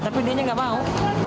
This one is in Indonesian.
tapi dia nggak mau